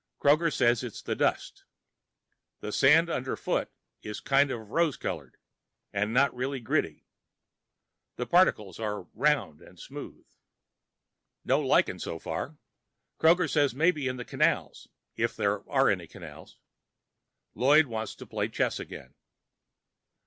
Kroger says it's the dust. The sand underfoot is kind of rose colored, and not really gritty. The particles are round and smooth. No lichen so far. Kroger says maybe in the canals, if there are any canals. Lloyd wants to play chess again.